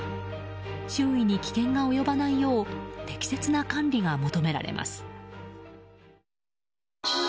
周囲に危険が及ばないよう適切な管理が求められます。